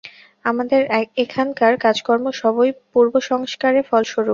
আমাদের এখানকার কাজকর্ম সবই পূর্বসংস্কারের ফলস্বরূপ।